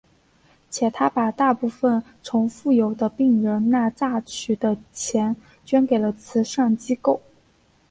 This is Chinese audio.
且他把大部分从富有的病人那榨取出的钱捐给了慈善机构。